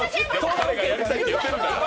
彼が開けたいっていってるんだから。